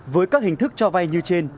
với các hình thức cho vai như trên